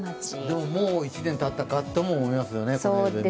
でも、もう１年たったかとも思いますよね。